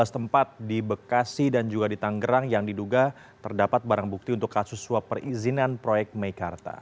dua belas tempat di bekasi dan juga di tanggerang yang diduga terdapat barang bukti untuk kasus suap perizinan proyek meikarta